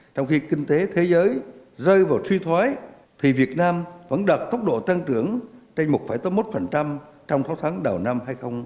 trong khi kinh tế thế giới rơi vào suy thoái thì việt nam vẫn đạt tốc độ tăng trưởng trên một một trong tháng tháng đầu năm hai nghìn hai mươi